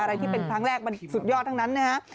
อะไรที่เป็นครั้งแรกมันสุดยอดทั้งนั้นนะฮะ